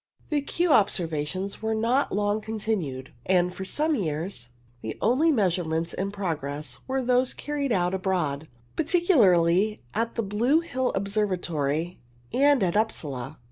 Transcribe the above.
The Kew observations were not long continued, and for some years the only measurements in progress were those carried out abroad, particularly at the Blue Hill Observatory and at Upsala.